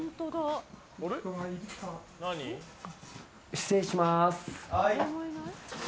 失礼します。